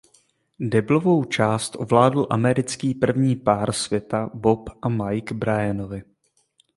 Deblovou část ovládl americký první pár světa Bob a Mike Bryanovi.